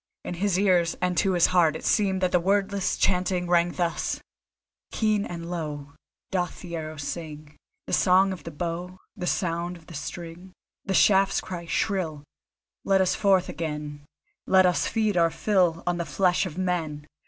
In his ears and to his heart it seemed that the wordless chant rang thus: Keen and low Doth the arrow sing The Song of the Bow, The sound of the string. The shafts cry shrill: Let us forth again, Let us feed our fill On the flesh of men.